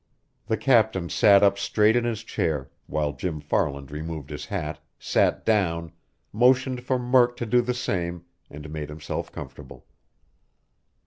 The captain sat up straight in his chair, while Jim Farland removed his hat, sat down, motioned for Murk to do the same, and made himself comfortable.